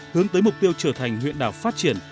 hướng tới mục tiêu trở thành huyện đảo phát triển